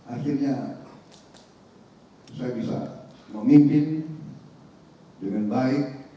akhirnya saya bisa memimpin dengan baik